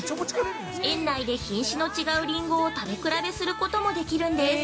園内で品種の違うりんごを食べ比べすることもできるんです。